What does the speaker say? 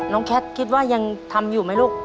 น้องแคทคิดว่ายังทำอยู่มั้ยลูก